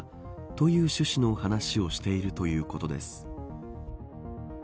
という趣旨の話をしているということです。